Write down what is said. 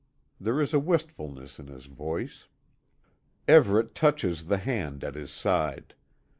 There is a wistfulness in his voice. Everet touches the hand at his side.